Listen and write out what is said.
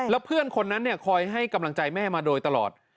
แล้วเพื่อนคนนั้นคอยให้กำลังใจแม่มาโดยตลอด